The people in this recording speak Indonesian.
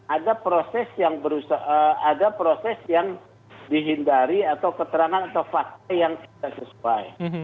ada proses yang dihindari atau keterangan atau fakta yang tidak sesuai